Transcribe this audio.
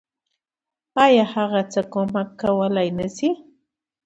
آيا هغه څه کمک کولی نشي.